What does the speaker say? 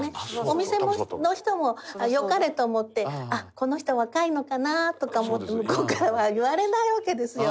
お店の人もよかれと思ってこの人若いのかなとかと思うと向こうからは言われないわけですよ。